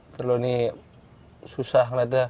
telur ini susah